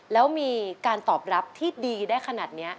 แล้วมีการตอบรับที่ดีได้ขนาดนี้